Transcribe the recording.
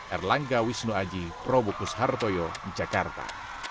erlangga wisnuaji prabu kushartoyo jakarta